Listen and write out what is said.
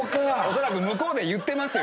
恐らく向こうで言ってますよ